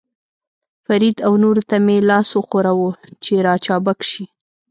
فرید او نورو ته مې لاس وښوراوه، چې را چابک شي.